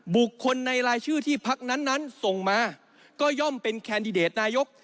บุคคลในรายชื่อที่พักนั้นส่งมาก็ย่อมเป็นแคนดิเดตนายก